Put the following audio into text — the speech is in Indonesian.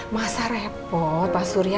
masa repot pak surya